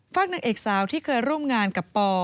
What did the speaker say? นางเอกสาวที่เคยร่วมงานกับปอ